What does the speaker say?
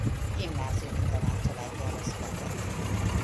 Gimnáziumi tanár családjába született.